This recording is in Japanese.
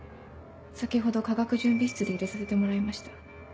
先ほど化学準備室で入れさせてもらいました。